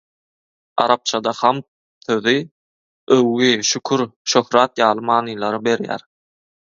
Arapçada „hamd“ sözi öwgi, şükür, şöhrat ýaly manylary berýär.